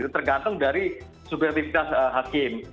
tergantung dari subjektivitas hakim